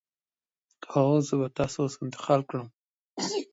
هو، زه به تاسو اوس انتقال کړم.